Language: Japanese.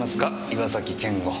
岩崎健吾。